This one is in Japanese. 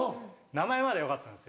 名前まではよかったんですよ。